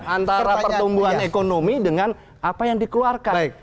antara pertumbuhan ekonomi dengan apa yang dikeluarkan